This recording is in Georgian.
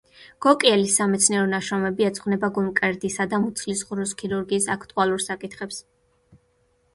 გოკიელის სამეცნიერო ნაშრომები ეძღვნება გულმკერდისა და მუცლის ღრუს ქირურგიის აქტუალურ საკითხებს.